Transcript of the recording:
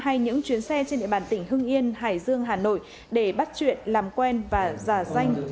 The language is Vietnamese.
hay những chuyến xe trên địa bàn tỉnh hưng yên hải dương hà nội để bắt chuyện làm quen và giả danh